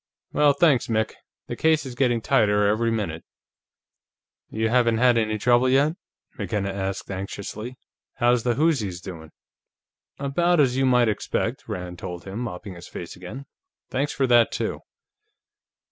Well, thanks, Mick. The case is getting tighter every minute." "You haven't had any trouble yet?" McKenna asked anxiously. "How's the whoozis doing?" "About as you might expect," Rand told him, mopping his face again. "Thanks for that, too."